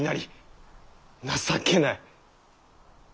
情けない！